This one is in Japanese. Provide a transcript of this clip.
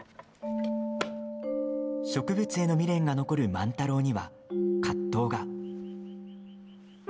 植物への未練が残る万太郎には葛藤が。